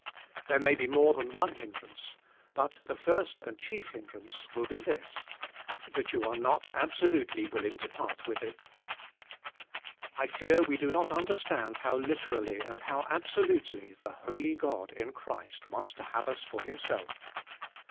There may be more than one hindrance, but the first and chief hindrance will be this: that you are not absolutely willing to part with it. I fear we do not understand how literally and how absolutely the Holy God in Christ wants to have us for Him self.